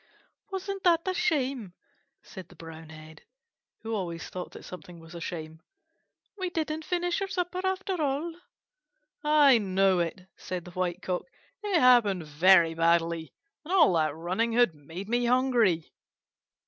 "Wasn't that a shame!" said the Brown Hen, who always thought that something was a shame. "We didn't finish our supper after all!" "I know it," said the White Cock. "It happened very badly, and all that running had made me hungry."